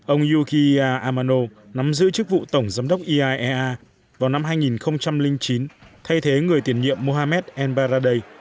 ông yukiya amano nắm giữ chức vụ tổng giám đốc iaea vào năm hai nghìn chín thay thế người tiền nhiệm mohamed el baradeh